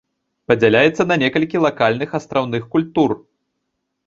Падзяляецца на некалькі лакальных астраўных культур.